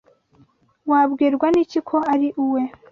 Wabwirwa n'iki ko ari uwe?